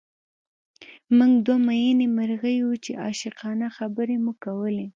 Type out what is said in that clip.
موږ دوه مئینې مرغۍ وو چې عاشقانه خبرې مو کولې